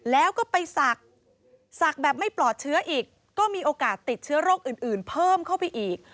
แล้วก็ไปศักดิ์ศักดิ์แบบไม่ปลอดเชื้ออีกก็มีโอกาสติดเชื้อโรคอื่นเพิ่มเข้าไปอีก